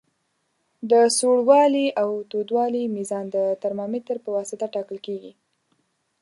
د سوړوالي او تودوالي میزان د ترمامتر پواسطه ټاکل کیږي.